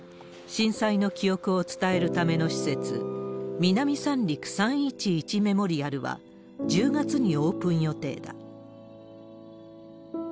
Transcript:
震災の記憶を伝えるための施設、南三陸３１１メモリアルは、１０月にオープン予定だ。